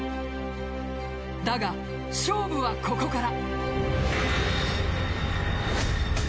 だが、勝負はここから。